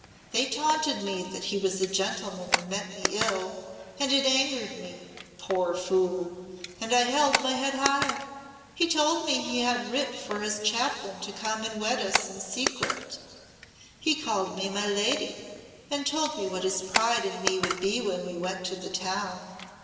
They taunted me that he was a gentleman and meant me ill, and it angered me poor fool and I held my head higher. He told me he had writ for his Chaplain to come and wed us in secret. He called me 'my lady' and told me what his pride in me would be when we went to the town."